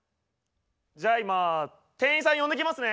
じゃあ今店員さん呼んできますね。